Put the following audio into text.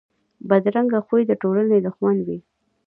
بدرنګه خوی د ټولنې دښمن وي